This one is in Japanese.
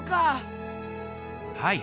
はい。